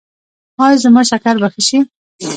ایا زما شکر به ښه شي؟